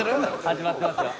「始まってますよ」